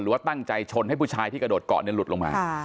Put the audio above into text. ว่าตั้งใจชนให้ผู้ชายที่กระโดดเกาะหลุดลงมา